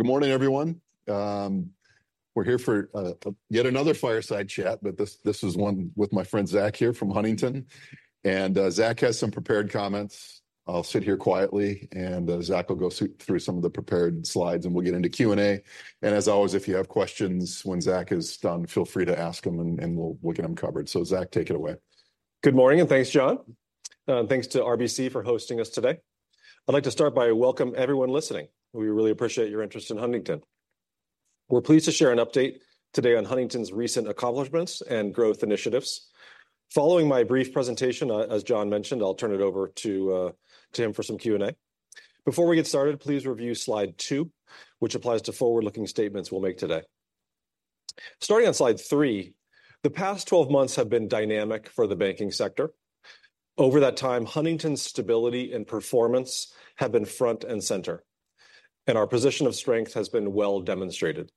Good morning, everyone. We're here for yet another fireside chat, but this—this is one with my friend Zach here from Huntington. Zach has some prepared comments. I'll sit here quietly, and Zach will go through some of the prepared slides, and we'll get into Q&A. And as always, if you have questions when Zach is done, feel free to ask them, and—and we'll—we'll get them covered. So Zach, take it away. Good morning, and thanks, Jon. Thanks to RBC for hosting us today. I'd like to start by welcoming everyone listening. We really appreciate your interest in Huntington. We're pleased to share an update today on Huntington's recent accomplishments and growth initiatives. Following my brief presentation, as Jon mentioned, I'll turn it over to him for some Q&A. Before we get started, please review slide two, which applies to forward-looking statements we'll make today. Starting on slide three, the past 12 months have been dynamic for the banking sector. Over that time, Huntington's stability and performance have been front and center, and our position of strength has been well demonstrated.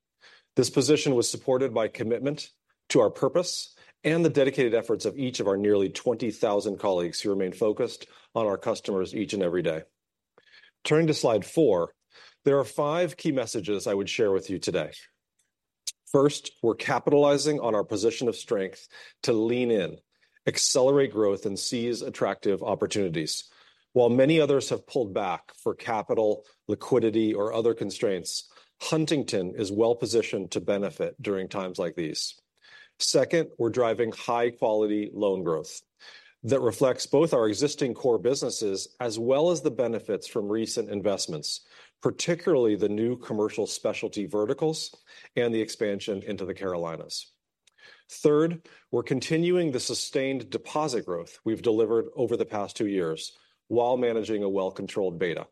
This position was supported by commitment to our purpose and the dedicated efforts of each of our nearly 20,000 colleagues who remain focused on our customers each and every day. Turning to slide four, there are five key messages I would share with you today. First, we're capitalizing on our position of strength to lean in, accelerate growth, and seize attractive opportunities. While many others have pulled back for capital, liquidity, or other constraints, Huntington is well positioned to benefit during times like these. Second, we're driving high-quality loan growth that reflects both our existing core businesses as well as the benefits from recent investments, particularly the new commercial specialty verticals and the expansion into the Carolinas. Third, we're continuing the sustained deposit growth we've delivered over the past two years while managing a well-controlled beta.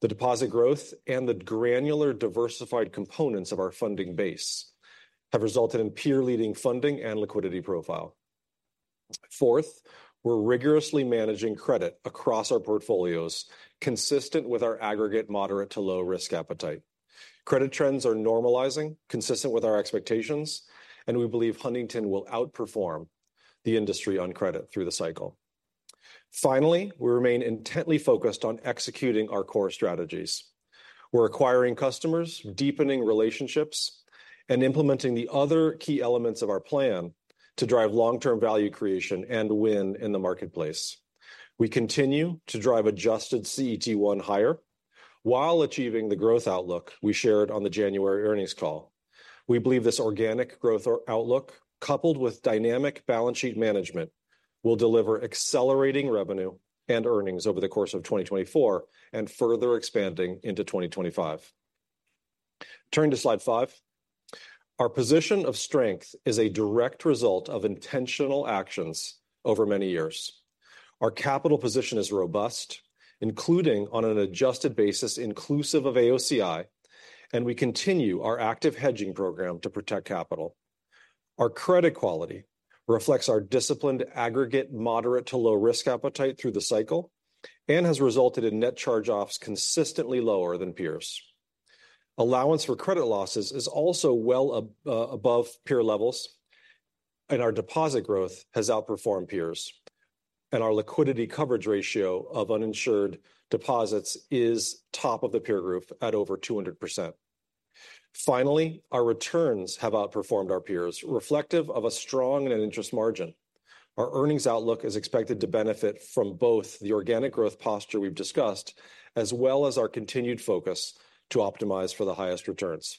The deposit growth and the granular, diversified components of our funding base have resulted in peer-leading funding and liquidity profile. Fourth, we're rigorously managing credit across our portfolios, consistent with our aggregate moderate-to-low risk appetite. Credit trends are normalizing, consistent with our expectations, and we believe Huntington will outperform the industry on credit through the cycle. Finally, we remain intently focused on executing our core strategies. We're acquiring customers, deepening relationships, and implementing the other key elements of our plan to drive long-term value creation and win in the marketplace. We continue to drive adjusted CET1 higher while achieving the growth outlook we shared on the January earnings call. We believe this organic growth outlook, coupled with dynamic balance sheet management, will deliver accelerating revenue and earnings over the course of 2024 and further expanding into 2025. Turning to slide five, our position of strength is a direct result of intentional actions over many years. Our capital position is robust, including on an adjusted basis inclusive of AOCI, and we continue our active hedging program to protect capital. Our credit quality reflects our disciplined aggregate moderate-to-low risk appetite through the cycle and has resulted in net charge-offs consistently lower than peers. Allowance for Credit Losses is also well above peer levels, and our deposit growth has outperformed peers, and our liquidity coverage ratio of uninsured deposits is top of the peer group at over 200%. Finally, our returns have outperformed our peers, reflective of a strong net interest Margin. Our earnings outlook is expected to benefit from both the organic growth posture we've discussed as well as our continued focus to optimize for the highest returns.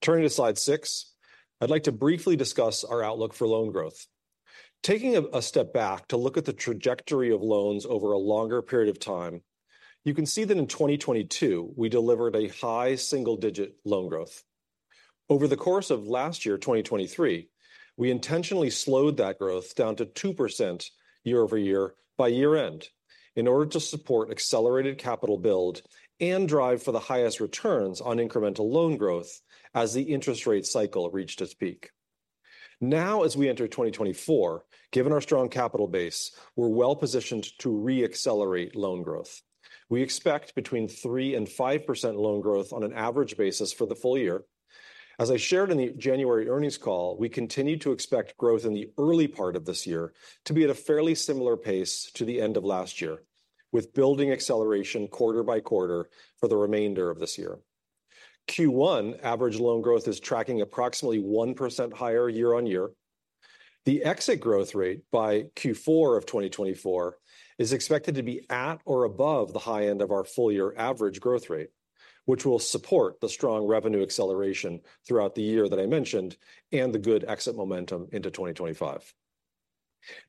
Turning to slide six, I'd like to briefly discuss our outlook for loan growth. Taking a step back to look at the trajectory of loans over a longer period of time, you can see that in 2022 we delivered a high single-digit loan growth. Over the course of last year, 2023, we intentionally slowed that growth down to 2% year-over-year by year-end in order to support accelerated capital build and drive for the highest returns on incremental loan growth as the interest rate cycle reached its peak. Now, as we enter 2024, given our strong capital base, we're well positioned to re-accelerate loan growth. We expect between 3% and 5% loan growth on an average basis for the full year. As I shared in the January earnings call, we continue to expect growth in the early part of this year to be at a fairly similar pace to the end of last year, with building acceleration quarter by quarter for the remainder of this year. Q1 average loan growth is tracking approximately 1% higher year-over-year. The exit growth rate by Q4 of 2024 is expected to be at or above the high end of our full-year average growth rate, which will support the strong revenue acceleration throughout the year that I mentioned and the good exit momentum into 2025.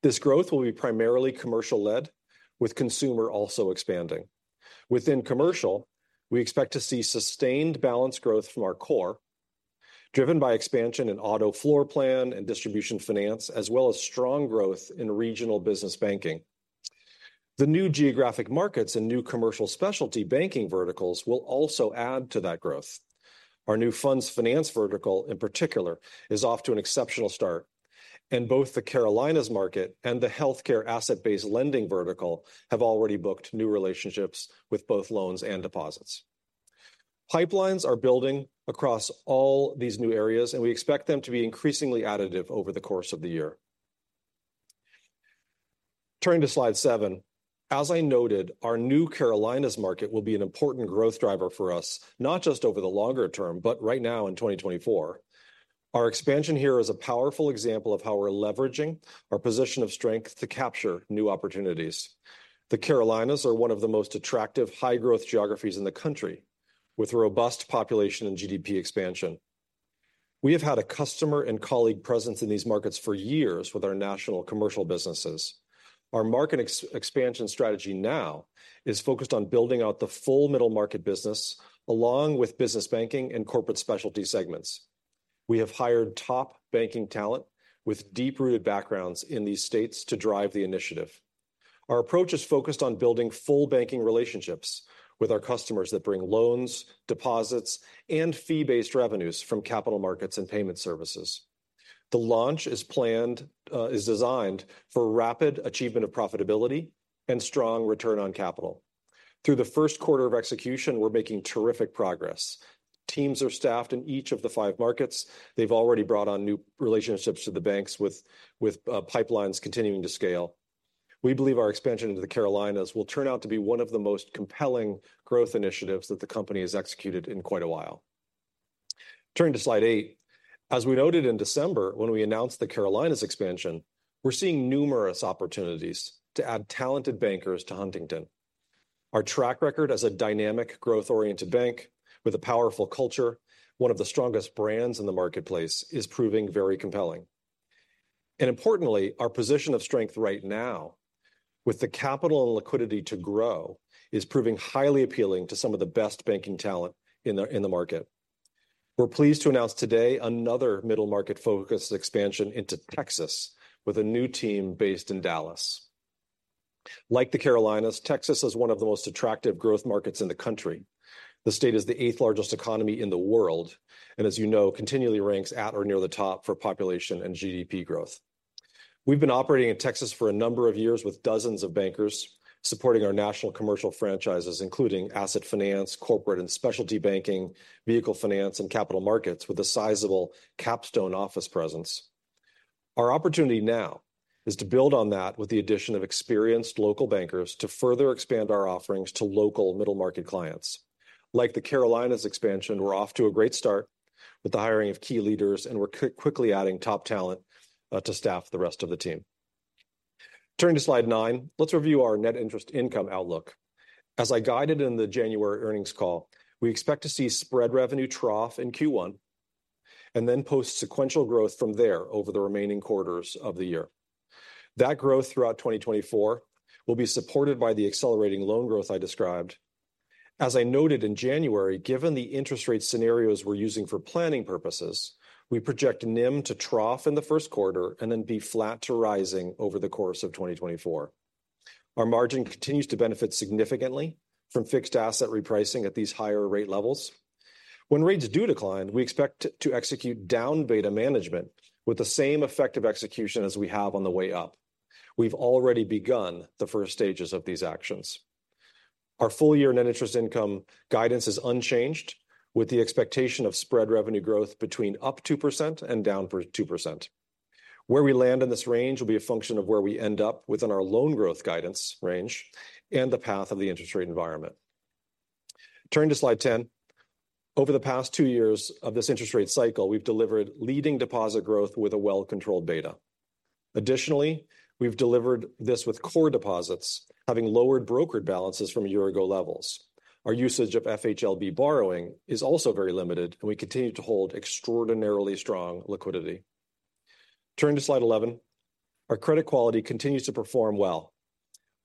This growth will be primarily commercial-led, with consumer also expanding. Within commercial, we expect to see sustained balance growth from our core, driven by expansion in Auto Floorplan and Distribution Finance, as well as strong growth in Regional Business Banking. The new geographic markets and new commercial specialty banking verticals will also add to that growth. Our new Fund Finance vertical, in particular, is off to an exceptional start, and both the Carolinas market and the Healthcare Asset-Based Lending vertical have already booked new relationships with both loans and deposits. Pipelines are building across all these new areas, and we expect them to be increasingly additive over the course of the year. Turning to slide seven, as I noted, our new Carolinas market will be an important growth driver for us, not just over the longer term, but right now in 2024. Our expansion here is a powerful example of how we're leveraging our position of strength to capture new opportunities. The Carolinas are one of the most attractive high-growth geographies in the country, with robust population and GDP expansion. We have had a customer and colleague presence in these markets for years with our national commercial businesses. Our market expansion strategy now is focused on building out the full middle-market business along with business banking and corporate specialty segments. We have hired top banking talent with deep-rooted backgrounds in these states to drive the initiative. Our approach is focused on building full banking relationships with our customers that bring loans, deposits, and fee-based revenues from capital markets and payment services. The launch is planned, is designed for rapid achievement of profitability and strong return on capital. Through the first quarter of execution, we're making terrific progress. Teams are staffed in each of the five markets. They've already brought on new relationships to the banks with pipelines continuing to scale. We believe our expansion into the Carolinas will turn out to be one of the most compelling growth initiatives that the company has executed in quite a while. Turning to slide eight, as we noted in December when we announced the Carolinas expansion, we're seeing numerous opportunities to add talented bankers to Huntington. Our track record as a dynamic, growth-oriented bank with a powerful culture, one of the strongest brands in the marketplace, is proving very compelling. And importantly, our position of strength right now, with the capital and liquidity to grow, is proving highly appealing to some of the best banking talent in the market. We're pleased to announce today another middle-market-focused expansion into Texas with a new team based in Dallas. Like the Carolinas, Texas is one of the most attractive growth markets in the country. The state is the eighth-largest economy in the world and, as you know, continually ranks at or near the top for population and GDP growth. We've been operating in Texas for a number of years with dozens of bankers supporting our national commercial franchises, including asset finance, corporate and specialty banking, vehicle finance, and capital markets, with a sizable Capstone office presence. Our opportunity now is to build on that with the addition of experienced local bankers to further expand our offerings to local middle-market clients. Like the Carolinas expansion, we're off to a great start with the hiring of key leaders, and we're quickly adding top talent, to staff the rest of the team. Turning to slide nine, let's review our net interest income outlook. As I guided in the January earnings call, we expect to see spread revenue trough in Q1 and then post-sequential growth from there over the remaining quarters of the year. That growth throughout 2024 will be supported by the accelerating loan growth I described. As I noted in January, given the interest rate scenarios we're using for planning purposes, we project NIM to trough in the first quarter and then be flat to rising over the course of 2024. Our margin continues to benefit significantly from fixed asset repricing at these higher rate levels. When rates do decline, we expect to execute down beta management with the same effect of execution as we have on the way up. We've already begun the first stages of these actions. Our full-year net interest income guidance is unchanged, with the expectation of spread revenue growth between up 2% and down 2%. Where we land in this range will be a function of where we end up within our loan growth guidance range and the path of the interest rate environment. Turning to slide 10, over the past two years of this interest rate cycle, we've delivered leading deposit growth with a well-controlled beta. Additionally, we've delivered this with core deposits having lowered brokered balances from a year ago levels. Our usage of FHLB borrowing is also very limited, and we continue to hold extraordinarily strong liquidity. Turning to Slide 11, our credit quality continues to perform well.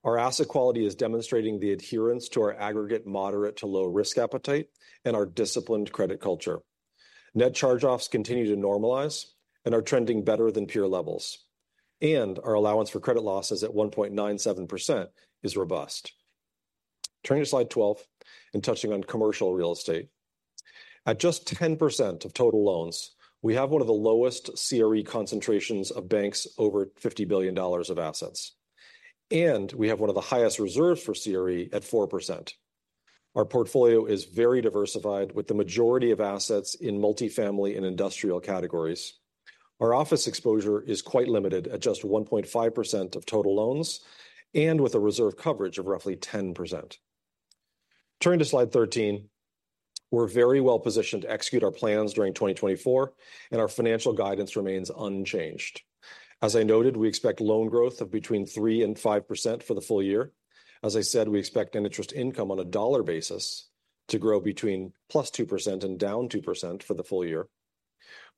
Our asset quality is demonstrating the adherence to our aggregate moderate-to-low risk appetite and our disciplined credit culture. Net charge-offs continue to normalize and are trending better than peer levels, and our Allowance for Credit Losses at 1.97% is robust. Turning to Slide 12 and touching on commercial real estate, at just 10% of total loans, we have one of the lowest CRE concentrations of banks over $50 billion of assets, and we have one of the highest reserves for CRE at 4%. Our portfolio is very diversified, with the majority of assets in multifamily and industrial categories. Our office exposure is quite limited at just 1.5% of total loans and with a reserve coverage of roughly 10%. Turning to slide 13, we're very well positioned to execute our plans during 2024, and our financial guidance remains unchanged. As I noted, we expect loan growth of between 3%-5% for the full year. As I said, we expect net interest income on a dollar basis to grow between +2% and -2% for the full year.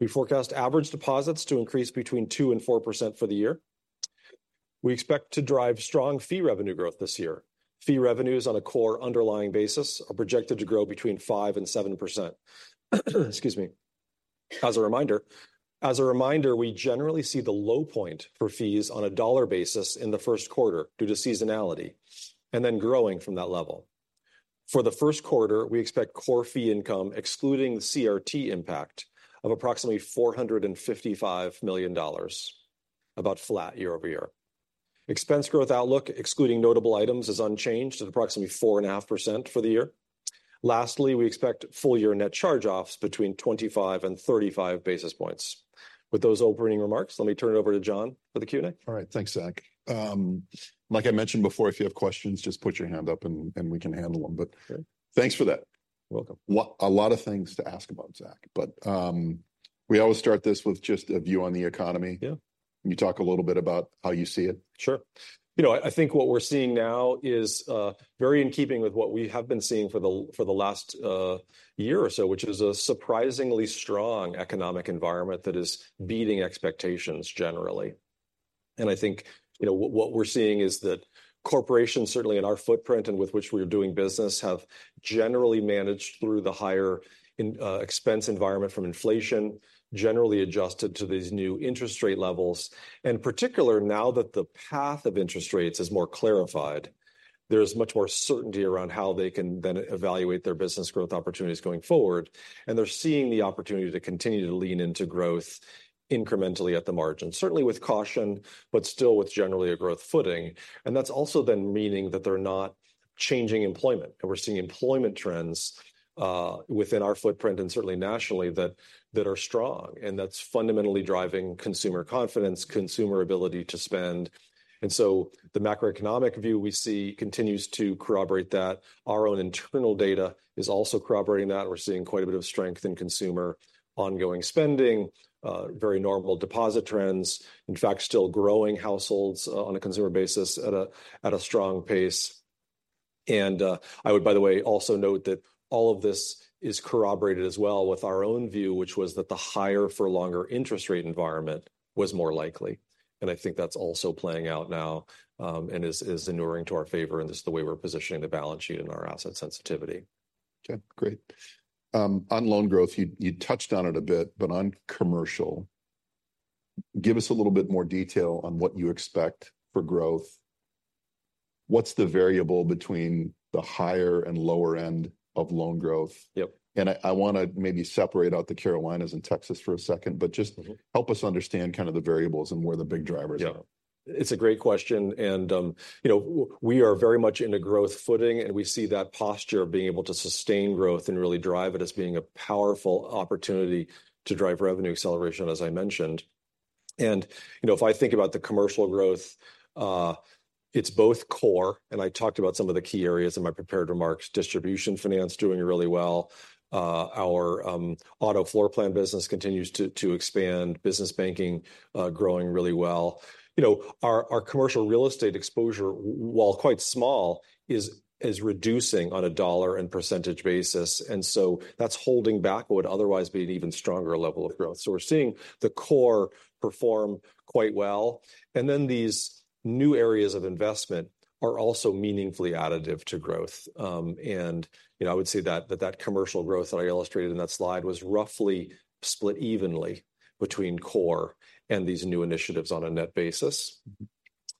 We forecast average deposits to increase between 2%-4% for the year. We expect to drive strong fee revenue growth this year. Fee revenues on a core underlying basis are projected to grow between 5%-7%. Excuse me. As a reminder, as a reminder, we generally see the low point for fees on a dollar basis in the first quarter due to seasonality and then growing from that level. For the first quarter, we expect core fee income, excluding the CRT impact, of approximately $455 million, about flat year-over-year. Expense growth outlook, excluding notable items, is unchanged at approximately 4.5% for the year. Lastly, we expect full-year net charge-offs between 25 and 35 basis points. With those opening remarks, let me turn it over to Jon for the Q&A. All right. Thanks, Zach. Like I mentioned before, if you have questions, just put your hand up and we can handle them. But thanks for that. Welcome. A lot of things to ask about, Zach, but we always start this with just a view on the economy. Yeah. Can you talk a little bit about how you see it? Sure. You know, I think what we're seeing now is very in keeping with what we have been seeing for the last year or so, which is a surprisingly strong economic environment that is beating expectations generally. And I think, you know, what we're seeing is that corporations, certainly in our footprint and with which we're doing business, have generally managed through the higher expense environment from inflation, generally adjusted to these new interest rate levels. And in particular, now that the path of interest rates is more clarified, there's much more certainty around how they can then evaluate their business growth opportunities going forward. And they're seeing the opportunity to continue to lean into growth incrementally at the margin, certainly with caution, but still with generally a growth footing. And that's also then meaning that they're not changing employment. And we're seeing employment trends within our footprint and certainly nationally that are strong. And that's fundamentally driving consumer confidence, consumer ability to spend. And so the macroeconomic view we see continues to corroborate that. Our own internal data is also corroborating that. We're seeing quite a bit of strength in consumer ongoing spending, very normal deposit trends, in fact, still growing households on a consumer basis at a strong pace. And I would, by the way, also note that all of this is corroborated as well with our own view, which was that the higher-for-longer interest rate environment was more likely. And I think that's also playing out now and is inuring to our favor in just the way we're positioning the balance sheet and our asset sensitivity. Okay. Great. On loan growth, you touched on it a bit, but on commercial, give us a little bit more detail on what you expect for growth. What's the variable between the higher and lower end of loan growth? Yep. And I want to maybe separate out the Carolinas and Texas for a second, but just help us understand kind of the variables and where the big drivers are. Yeah. It's a great question. And you know, we are very much in a growth footing, and we see that posture of being able to sustain growth and really drive it as being a powerful opportunity to drive revenue acceleration, as I mentioned. And, you know, if I think about the commercial growth, it's both core, and I talked about some of the key areas in my prepared remarks, Distribution Finance doing really well. Our Auto Floorplan business continues to expand, business banking growing really well. You know, our commercial real estate exposure, while quite small, is reducing on a dollar and percentage basis. And so that's holding back what would otherwise be an even stronger level of growth. So we're seeing the core perform quite well. And then these new areas of investment are also meaningfully additive to growth. And, you know, I would say that commercial growth that I illustrated in that slide was roughly split evenly between core and these new initiatives on a net basis.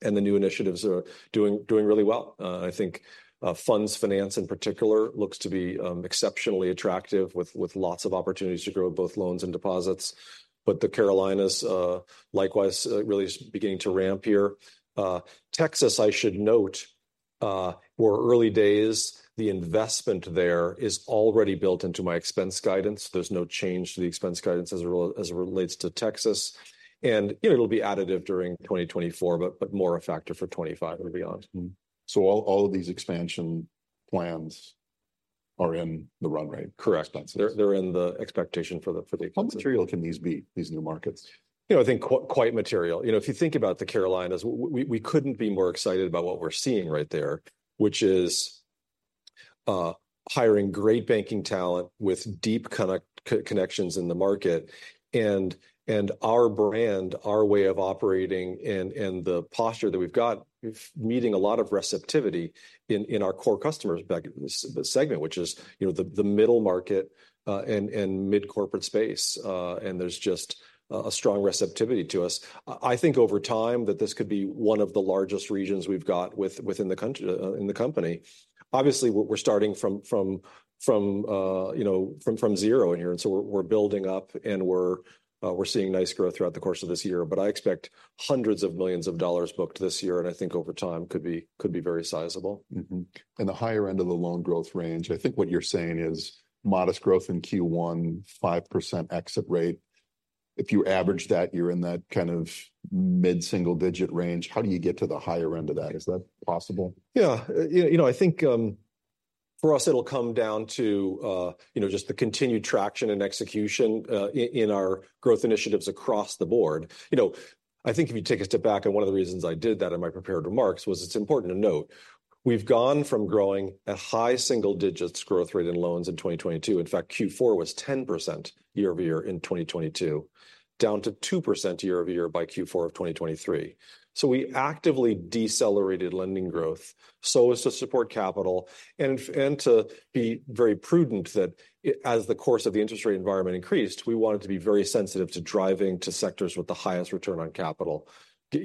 And the new initiatives are doing really well. I think Fund Finance in particular looks to be exceptionally attractive with lots of opportunities to grow both loans and deposits. But the Carolinas likewise really beginning to ramp here. Texas, I should note, we're in early days, the investment there is already built into my expense guidance. There's no change to the expense guidance as it relates to Texas. And, you know, it'll be additive during 2024, but but more a factor for 2025 and beyond. So all all of these expansion plans are in the runway. Correct. They're they're in the expectation for the for the expense. How material can these be, these new markets? You know, I think quite material. You know, if you think about the Carolinas, we we couldn't be more excited about what we're seeing right there, which is hiring great banking talent with deep connections in the market. And our brand, our way of operating, and the posture that we've got, meeting a lot of receptivity in our core customers back in this segment, which is, you know, the middle-market and mid-corporate space. And there's just a strong receptivity to us. I think over time that this could be one of the largest regions we've got within the country in the company. Obviously, we're starting from, you know, from zero in here. And so we're building up and we're seeing nice growth throughout the course of this year. But I expect $hundreds of millions booked this year, and I think over time could be very sizable. - In the higher end of the loan growth range, I think what you're saying is modest growth in Q1, 5% exit rate. If you average that, you're in that kind of mid-single digit range. How do you get to the higher end of that? Is that possible? Yeah. You know, you know I think for us, it'll come down to, you know, just the continued traction and execution in our growth initiatives across the board. You know, I think if you take a step back, and one of the reasons I did that in my prepared remarks was it's important to note, we've gone from growing a high single digits growth rate in loans in 2022. In fact, Q4 was 10% year-over-year in 2022, down to 2% year-over-year by Q4 of 2023. So we actively decelerated lending growth so as to support capital and to be very prudent that as the course of the interest rate environment increased, we wanted to be very sensitive to driving to sectors with the highest return on capital,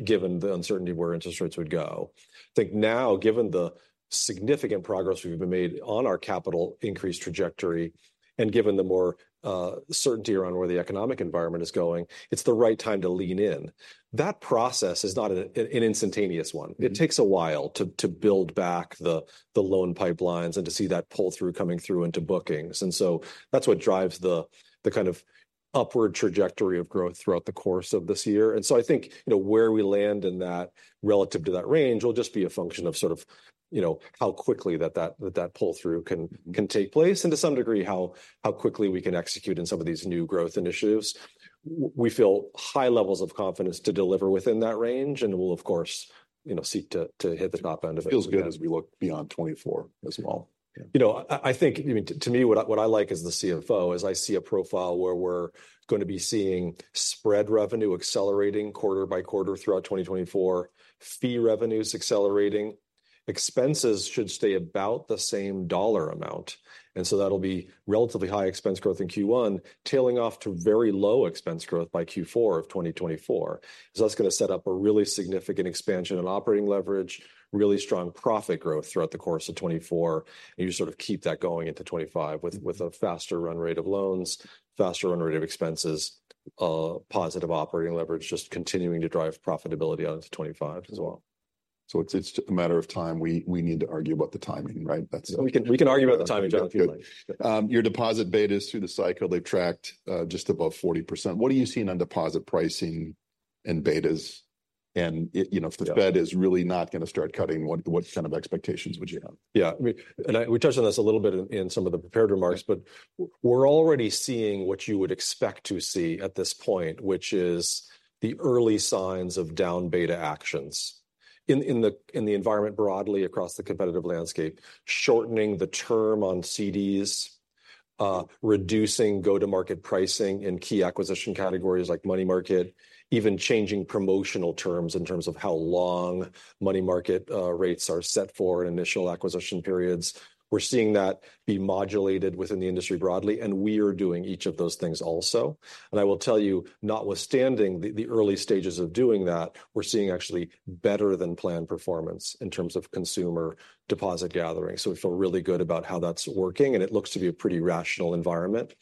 given the uncertainty of where interest rates would go. I think now, given the significant progress we've been made on our capital increase trajectory, and given the more certainty around where the economic environment is going, it's the right time to lean in. That process is not an instantaneous one. It takes a while to build back the loan pipelines and to see that pull through coming through into bookings. And so that's what drives the kind of upward trajectory of growth throughout the course of this year. And so I think, you know, where we land in that relative to that range will just be a function of sort of, you know, how quickly that pull through can take place, and to some degree how quickly we can execute in some of these new growth initiatives. We feel high levels of confidence to deliver within that range, and we'll, of course, you know, seek to hit the top end of it. Feels good as we look beyond 2024 as well. You know, I think, I mean, to me, what I like as the CFO is I see a profile where we're going to be seeing spread revenue accelerating quarter by quarter throughout 2024, fee revenues accelerating, expenses should stay about the same dollar amount. And so that'll be relatively high expense growth in Q1, tailing off to very low expense growth by Q4 of 2024. So that's going to set up a really significant expansion in operating leverage, really strong profit growth throughout the course of 2024, and you sort of keep that going into 2025 with a faster run rate of loans, faster run rate of expenses, positive operating leverage, just continuing to drive profitability out into 2025 as well. So it's a matter of time. We need to argue about the timing, right? We can argue about the timing, Jon, if you'd like. Your deposit beta is through the cycle. They've tracked just above 40%. What are you seeing on deposit pricing and betas? And, you know, if the Fed is really not going to start cutting, what kind of expectations would you have? Yeah. I mean, and we touched on this a little bit in some of the prepared remarks, but we're already seeing what you would expect to see at this point, which is the early signs of down beta actions in the environment broadly across the competitive landscape, shortening the term on CDs, reducing go-to-market pricing in key acquisition categories like money market, even changing promotional terms in terms of how long money market rates are set for in initial acquisition periods. We're seeing that be modulated within the industry broadly, and we are doing each of those things also. And I will tell you, notwithstanding the early stages of doing that, we're seeing actually better than planned performance in terms of consumer deposit gathering. So we feel really good about how that's working, and it looks to be a pretty rational environment.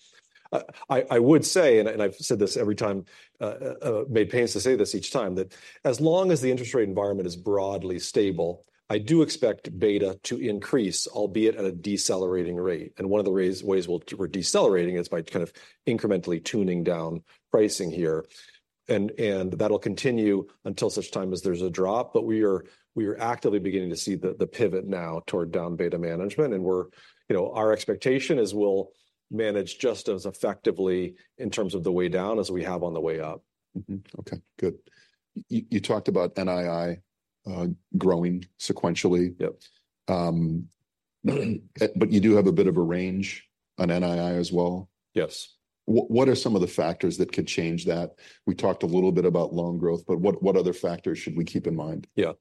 I would say, and I've said this every time, taken pains to say this each time, that as long as the interest rate environment is broadly stable, I do expect beta to increase, albeit at a decelerating rate. And one of the ways we're decelerating is by kind of incrementally tuning down pricing here. And that'll continue until such time as there's a drop. But we are actively beginning to see the pivot now toward down beta management. And we're, you know, our expectation is we'll manage just as effectively in terms of the way down as we have on the way up. Okay. Good. You talked about NII growing sequentially. Yep. But you do have a bit of a range on NII as well. Yes. What are some of the factors that could change that? We talked a little bit about loan growth, but what other factors should we keep in mind? Yeah.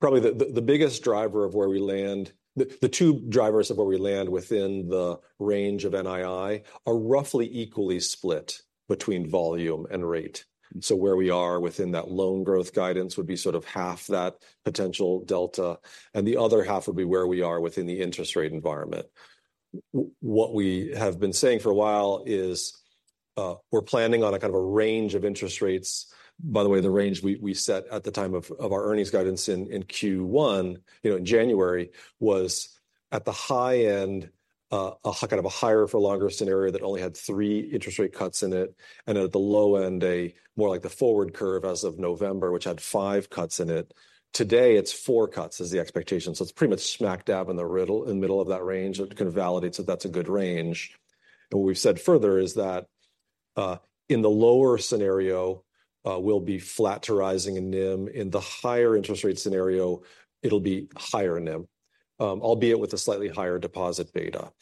Probably the biggest driver of where we land, the two drivers of where we land within the range of NII are roughly equally split between volume and rate. So where we are within that loan growth guidance would be sort of half that potential delta, and the other half would be where we are within the interest rate environment. What we have been saying for a while is we're planning on a kind of a range of interest rates. By the way, the range we set at the time of our earnings guidance in Q1, you know, in January, was at the high end, a kind of a higher-for-longer scenario that only had three interest rate cuts in it, and at the low end, a more like the forward curve as of November, which had five cuts in it. Today, it's four cuts is the expectation. So it's pretty much smack dab in the middle of that range that can validate that that's a good range. And what we've said further is that in the lower scenario, we'll be flat to rising and NIM. In the higher interest rate scenario, it'll be higher NIM, albeit with a slightly higher deposit beta.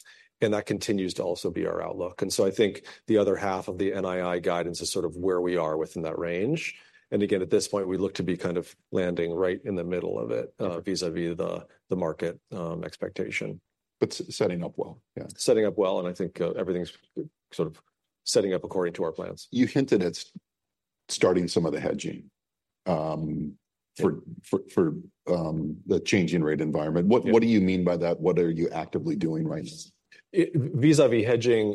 And that continues to also be our outlook. And so I think the other half of the NII guidance is sort of where we are within that range. And again, at this point, we look to be kind of landing right in the middle of it vis-à-vis the market expectation. But setting up well? Yeah. Setting up well. And I think everything's sort of setting up according to our plans. You hinted at starting some of the hedging for the changing rate environment. What do you mean by that? What are you actively doing right now? It's vis-à-vis hedging,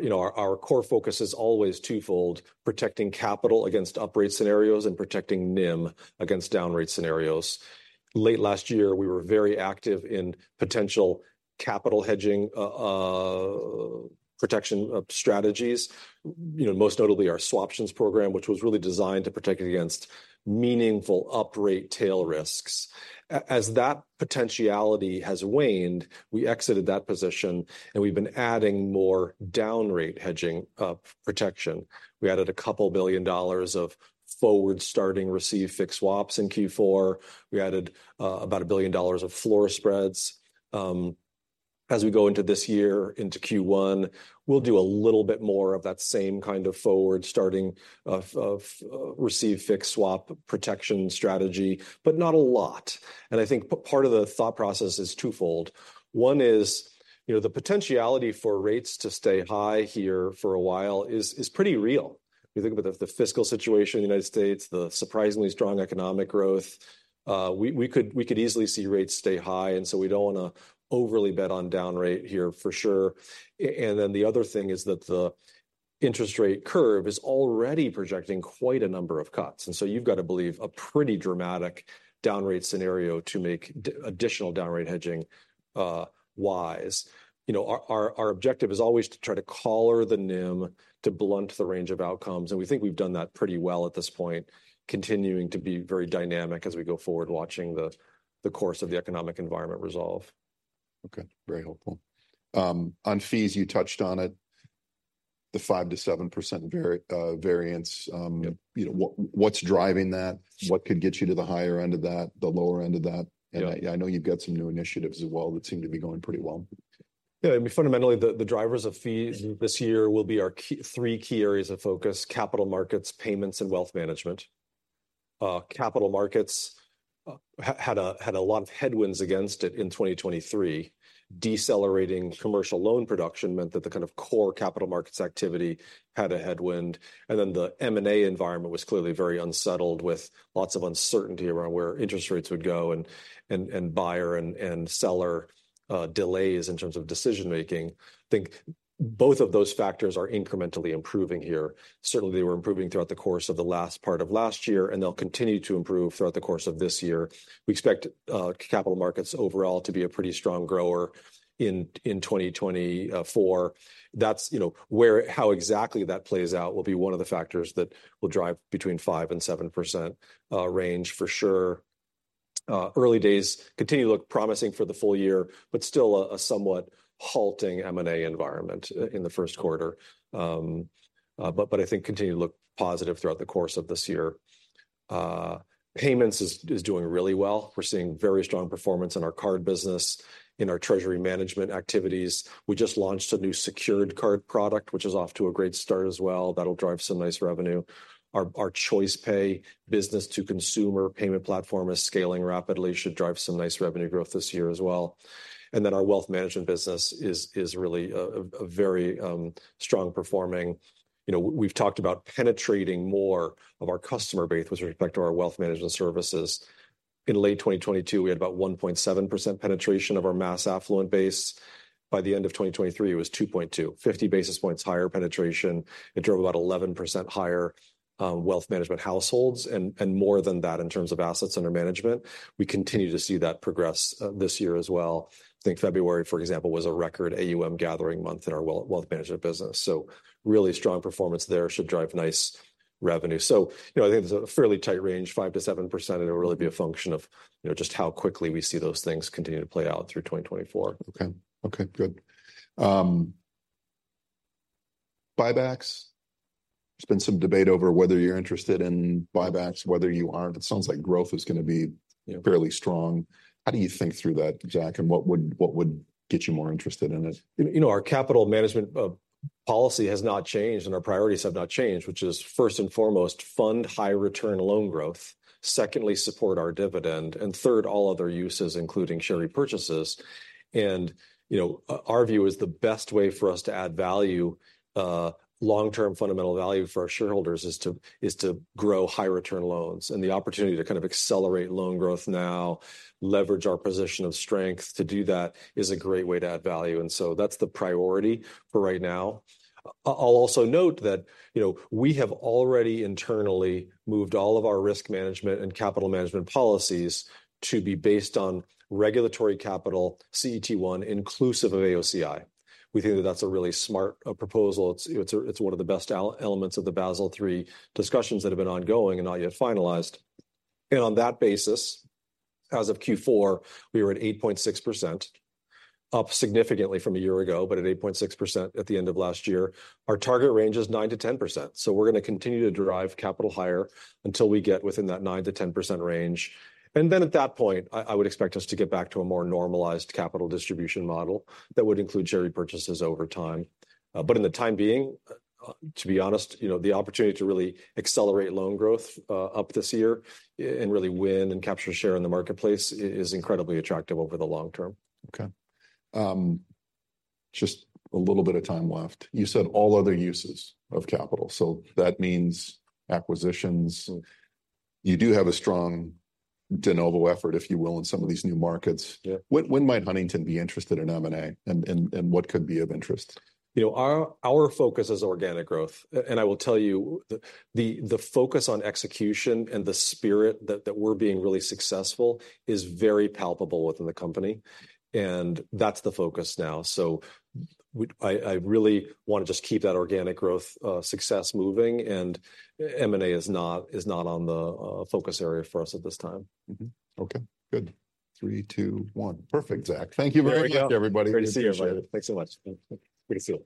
you know, our core focus is always twofold: protecting capital against uprate scenarios and protecting NIM against downrate scenarios. Late last year, we were very active in potential capital hedging protection strategies, you know, most notably our Swaptions program, which was really designed to protect against meaningful uprate tail risks. As that potentiality has waned, we exited that position, and we've been adding more downrate hedging protection. We added $2 billion of forward starting receive fixed swaps in Q4. We added about $1 billion of floor spreads. As we go into this year, into Q1, we'll do a little bit more of that same kind of forward starting receive fixed swap protection strategy, but not a lot. I think part of the thought process is twofold. One is, you know, the potentiality for rates to stay high here for a while is is pretty real. If you think about the fiscal situation in the United States, the surprisingly strong economic growth, we we could we could easily see rates stay high. So we don't want to overly bet on downrate here for sure. Then the other thing is that the interest rate curve is already projecting quite a number of cuts. And so you've got to believe a pretty dramatic downrate scenario to make additional downrate hedging wise. You know, our objective is always to try to collar the NIM to blunt the range of outcomes. And we think we've done that pretty well at this point, continuing to be very dynamic as we go forward, watching the course of the economic environment resolve. Okay. Very helpful. On fees, you touched on it. The 5%-7% variance, you know, what's driving that? What could get you to the higher end of that, the lower end of that? And I know you've got some new initiatives as well that seem to be going pretty well. Yeah. I mean, fundamentally, the drivers of fees this year will be our three key areas of focus: capital markets, payments, and wealth management. Capital markets had a lot of headwinds against it in 2023. Decelerating commercial loan production meant that the kind of core capital markets activity had a headwind. And then the M&A environment was clearly very unsettled with lots of uncertainty around where interest rates would go and buyer and seller delays in terms of decision-making. I think both of those factors are incrementally improving here. Certainly, they were improving throughout the course of the last part of last year, and they'll continue to improve throughout the course of this year. We expect capital markets overall to be a pretty strong grower in 2024. That's, you know, where how exactly that plays out will be one of the factors that will drive 5%-7% range for sure. Early days continue to look promising for the full year, but still a somewhat halting M&A environment in the first quarter. But I think continue to look positive throughout the course of this year. Payments is doing really well. We're seeing very strong performance in our card business, in our treasury management activities. We just launched a new Secured Card product, which is off to a great start as well. That'll drive some nice revenue. Our ChoicePay business to consumer payment platform is scaling rapidly, should drive some nice revenue growth this year as well. And then our Wealth Management business is really a very strong performing. You know, we've talked about penetrating more of our customer base with respect to our wealth management services. In late 2022, we had about 1.7% penetration of our mass affluent base. By the end of 2023, it was 2.2%, 50 basis points higher penetration. It drove about 11% higher wealth management households and more than that in terms of assets under management. We continue to see that progress this year as well. I think February, for example, was a record AUM gathering month in our wealth management business. So really strong performance there should drive nice revenue. So, you know, I think it's a fairly tight range, 5%-7%, and it'll really be a function of, you know, just how quickly we see those things continue to play out through 2024. Okay. Okay. Good. Buybacks. There's been some debate over whether you're interested in buybacks, whether you aren't. It sounds like growth is going to be fairly strong. How do you think through that, Zach, and what would what would get you more interested in it? You know, our capital management policy has not changed, and our priorities have not changed, which is, first and foremost, fund high-return loan growth. Secondly, support our dividend. And third, all other uses, including share repurchases. And, you know, our view is the best way for us to add value, long-term fundamental value for our shareholders, is to is to grow high-return loans. And the opportunity to kind of accelerate loan growth now, leverage our position of strength to do that, is a great way to add value. And so that's the priority for right now. I'll also note that, you know, we have already internally moved all of our risk management and capital management policies to be based on regulatory capital, CET1, inclusive of AOCI. We think that that's a really smart proposal. It's one of the best elements of the Basel III discussions that have been ongoing and not yet finalized. On that basis, as of Q4, we were at 8.6%, up significantly from a year ago, but at 8.6% at the end of last year. Our target range is 9%-10%. So we're going to continue to drive capital higher until we get within that 9%-10% range. Then at that point, I would expect us to get back to a more normalized capital distribution model that would include share repurchases over time. But in the time being, to be honest, you know, the opportunity to really accelerate loan growth up this year and really win and capture a share in the marketplace is incredibly attractive over the long term. Okay. Just a little bit of time left. You said all other uses of capital. So that means acquisitions. You do have a strong de novo effort, if you will, in some of these new markets. Yeah. When when might Huntington be interested in M&A, and and and what could be of interest? You know, our our focus is organic growth. And I will tell you, the the the focus on execution and the spirit that that we're being really successful is very palpable within the company. And that's the focus now. So, I really want to just keep that organic growth success moving, and M&A is not on the focus area for us at this time. Okay. Good. Three, two, one. Perfect, Zach. Thank you very much, everybody. Great to see you, everybody. Thanks so much. Great to see you.